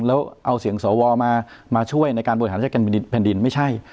แล้วเอาเสียงสวมาช่วยในการบริหารจัดการแผ่นดินไม่ใช่